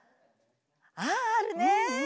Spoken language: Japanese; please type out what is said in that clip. あああるね。